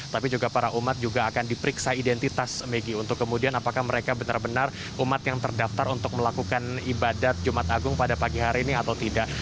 tapi juga para umat juga akan diperiksa identitas maggie untuk kemudian apakah mereka benar benar umat yang terdaftar untuk melakukan ibadat jumat agung pada pagi hari ini atau tidak